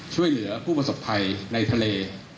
ช่วยเหลือผู้ประสบภัยในทะเล